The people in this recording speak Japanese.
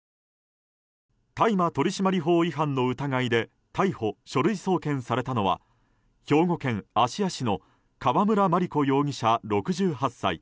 大麻取締法違反の疑いで逮捕・書類送検されたのは兵庫県芦屋市の川村麻理子容疑者、６８歳。